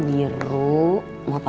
ternyata karena ada mama